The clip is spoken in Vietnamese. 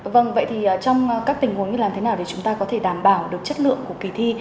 vâng vậy thì trong các tình huống như làm thế nào để chúng ta có thể đảm bảo được chất lượng của kỳ thi